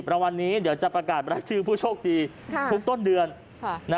รางวัลนี้เดี๋ยวจะประกาศรายชื่อผู้โชคดีทุกต้นเดือน